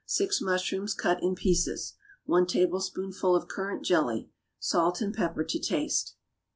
6 mushrooms, cut in pieces. 1 tablespoonful of currant jelly. Salt and pepper to taste.